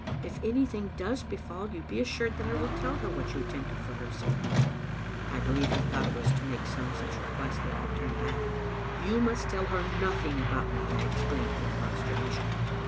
If anything does befall you, be asssured that I will tell her what you attempted for her sake. " I believe he thought it was to make some such request that I had turned back. "You must tell her nothing about me," I exclaimed, in consternation.